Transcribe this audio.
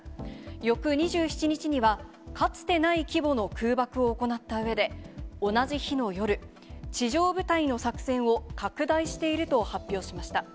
翌２７日には、かつてない規模の空爆を行ったうえで、同じ日の夜、地上部隊の作戦を拡大していると発表しました。